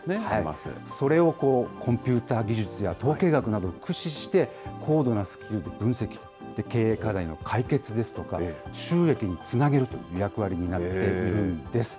それをコンピューター技術や統計学などを駆使して、高度なスキルと分析、経営課題の解決ですとか、収益につなげるという役割を担っているんです。